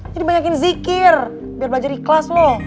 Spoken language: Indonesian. jadi banyakin zikir biar belajar ikhlas lo